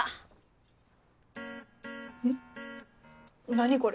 何これ。